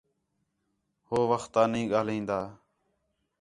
ہو وخت تا نہیں ڳاھلین٘دن